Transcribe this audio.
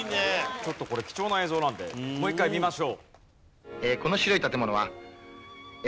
ちょっとこれ貴重な映像なんでもう一回見ましょう。